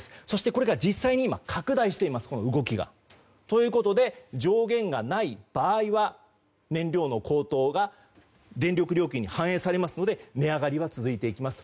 この動きが、実際に今拡大しています。ということで、上限がない場合は燃料の高騰が電力料金に反映されるので値上がりは続いていきます。